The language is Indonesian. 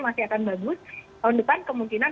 masih akan bagus tahun depan kemungkinan